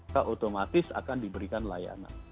maka otomatis akan diberikan layanan